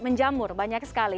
menjamur banyak sekali